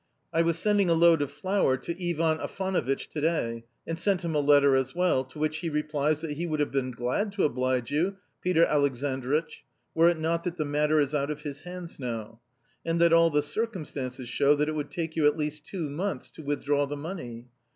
I was sending a load of flour to Ivan Afanovitch to day, and sent him a letter as well, to which he replies that he would have been glad to oblige you, Peter Alexandritch, were it not that the matter is out of his hands now, and that all the circumstances show that it would take you at least two months to withdraw the money.